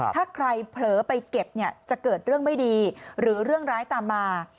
ถ้าใครเผลอไปเก็บเนี่ยจะเกิดเรื่องไม่ดีหรือเรื่องร้ายตามมา